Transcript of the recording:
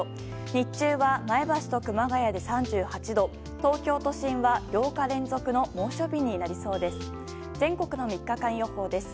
日中は前橋と熊谷で３８度東京都心は８日連続の猛暑日になりそうです。